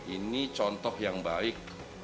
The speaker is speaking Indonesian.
ini contoh yang baik